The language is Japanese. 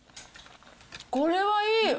これはいい！